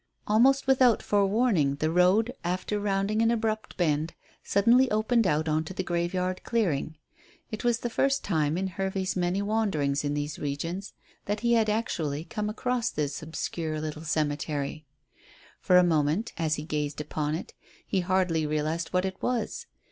Almost without forewarning the road, after rounding an abrupt bend, suddenly opened out on to the graveyard clearing. It was the first time in Hervey's many wanderings in these regions that he had actually come across this obscure little cemetery. For a moment, as he gazed upon it, he hardly realized what it was.